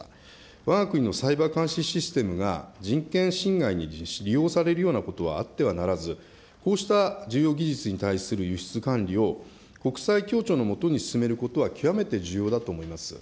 わが国のサイバー監視システムが人権侵害に利用されるようなことはあってはならず、こうした需要技術に対する輸出管理を、国際協調の下に進めることは極めて重要だと思います。